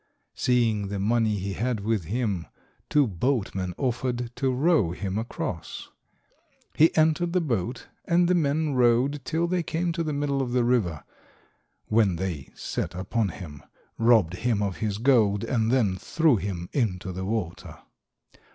Seeing the money he had with him, two boatmen offered to row him across. He entered the boat, and the men rowed till they came to the middle of the river, when they set upon him, robbed him of his gold, and then threw him into the water.